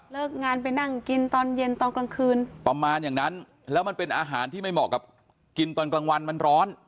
งานไปนั่งกินตอนเย็นตอนกลางคืนประมาณอย่างนั้นแล้วมันเป็นอาหารที่ไม่เหมาะกับกินตอนกลางวันมันร้อน